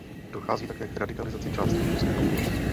Dochází také k radikalizaci části židovské populace.